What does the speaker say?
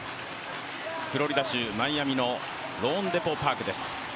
フロリダ州マイアミのローンデポ・パークです。